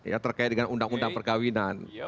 ya terkait dengan undang undang perkawinan